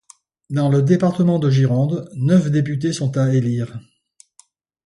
Dans le département de Gironde, neuf députés sont à élire.